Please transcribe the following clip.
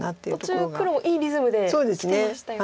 途中黒いいリズムできてましたよね。